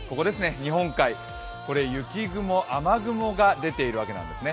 日本海、雪雲、雨雲が出ているわけなんですね。